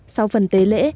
sau phần tế lễ